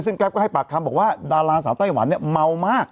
ซึ่งแก๊ปก็ให้ปากคำบอกว่าดาราสาวไต้หวันเนี่ยเมามาก